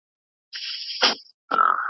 د خبر د تصديق لار يې ښووله.